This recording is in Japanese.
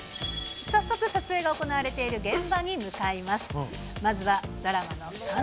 早速撮影が行われている現場に向かいます。